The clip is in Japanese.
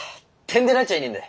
てんでなっちゃいねえんだ。